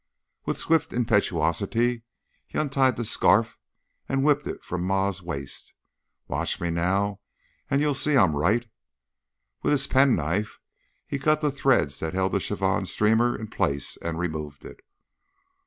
With swift impetuosity he untied the scarf and whipped it from Ma's waist. "Watch me now and you'll see I'm right." With his penknife he cut the threads that held the chiffon streamer in place and removed it.